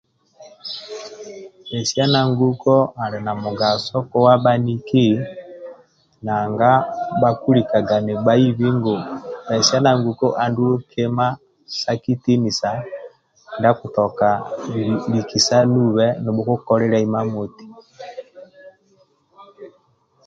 Pesiana nguko ali na mugaso kowa bhaniki nanga bhakulikaga nibhaibi ngu pesiana nguko andulu kima sa kitinisa ndia akutoka likisanube nubhukukolilia imamoti